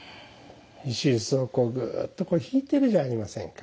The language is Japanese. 石臼をこうぐっとひいてるじゃありませんか。